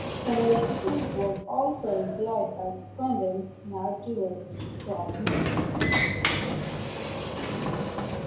A similar technique was also employed by Scandinavian Medieval swordsmiths.